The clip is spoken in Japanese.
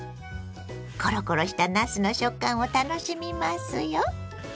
コロコロしたなすの食感を楽しみますよ。